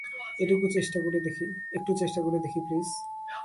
একটু চেষ্টা করে দেখি, প্লিজ।